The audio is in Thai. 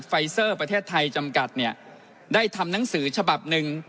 ไฟเซอร์ประเทศไทยจำกัดเนี่ยได้ทำหนังสือฉบับหนึ่ง